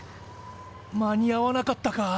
間に合わなかったか。